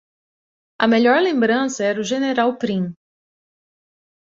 A melhor lembrança era o General Prim.